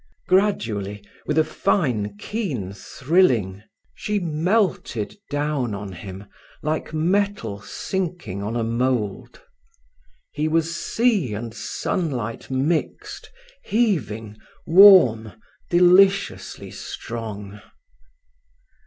Gradually, with a fine, keen thrilling, she melted down on him, like metal sinking on a mould. He was sea and sunlight mixed, heaving, warm, deliciously strong.